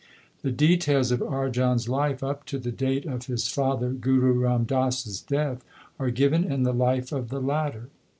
The details of Arjan s life up to the date of his father Guru Ram Das s death are given in the life of the latter.